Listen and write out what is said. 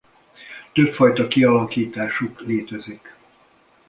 Többfajta kialakításuk létezik.